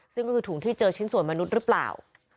ซึ่งก็คือถุงที่เจอชิ้นส่วนมนุษย์หรือเปล่า